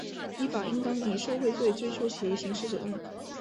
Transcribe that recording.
依法应当以受贿罪追究其刑事责任